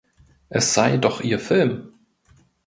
Es sei doch ihr Film!